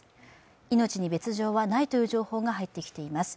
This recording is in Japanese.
命に別状はないという情報が入ってきています。